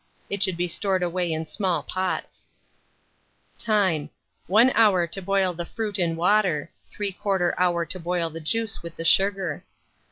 It should be stored away in small pots. Time. 1 hour to boil the fruit and water; 3/4 hour to boil the juice with the sugar.